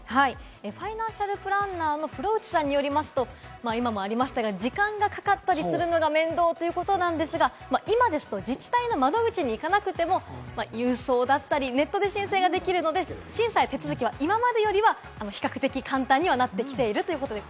ファイナンシャルプランナーの風呂内さんによりますと、今もありましたが、時間がかかったりするのが面倒ということなんですが、今は自治体の窓口に行かなくても郵送だったりネットで申請ができるので、審査や手続きは今までよりは比較的簡単にはなってきているということです。